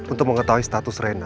untuk mengetahui status rena